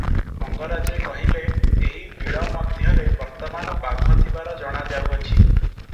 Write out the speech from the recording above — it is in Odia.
ମଙ୍ଗରାଜେ କହିଲେ "ଏହି ବିଳ ମଧ୍ୟରେ ବର୍ତ୍ତମାନ ବାଘ ଥିବାର ଜଣାଯାଉଅଛି ।"